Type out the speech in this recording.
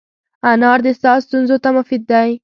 انار د ساه ستونزو ته مفید دی.